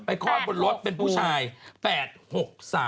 ไปคลอดบนรถเป็นผู้ชาย๘๖๓๕เออ